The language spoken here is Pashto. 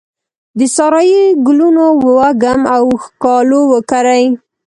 د سارایې ګلونو وږم او ښکالو وکرې